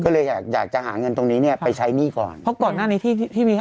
ก็เลยอยากอยากจะหาเงินตรงนี้เนี้ยไปใช้หนี้ก่อนเพราะก่อนหน้านี้ที่ที่มี